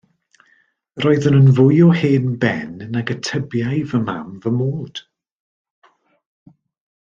Yr oeddwn yn fwy o hen ben nag y tybiai fy mam fy mod.